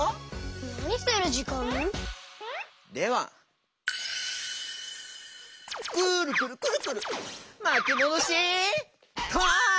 なにするじかん？ではくるくるくるくるまきもどしタイム！